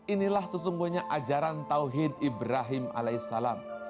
inilah sesungguhnya ajaran tauhid ibrahim alai salam